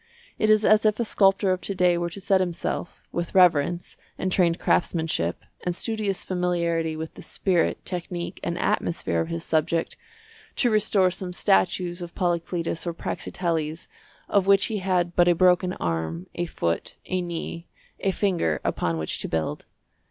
It is as if a sculptor of to day were to set himself, with reverence, and trained craftsmanship, and studious familiarity with the spirit, technique, and atmosphere of his subject, to restore some statues of Polyclitus or Praxiteles of which he had but a broken arm, a foot, a knee, a finger upon which to build.